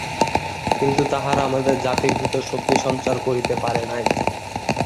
কিন্তু তাহারা আমাদের জাতির ভিতর শক্তিসঞ্চার করিতে পারে নাই।